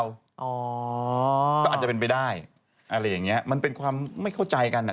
ก็อาจจะเป็นไปได้อะไรอย่างเงี้ยมันเป็นความไม่เข้าใจกันอ่ะ